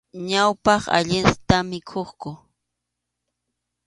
Ñawpaq, allinta mikhukuq.